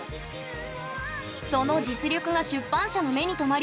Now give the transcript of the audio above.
その実力が出版社の目に留まり